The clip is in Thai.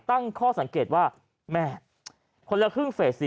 ตั้งข้อสังเกตว่าแม่คนละครึ่งเฟส๔